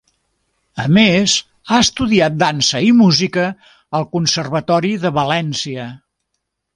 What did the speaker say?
A més ha estudiat dansa i música al Conservatori de València.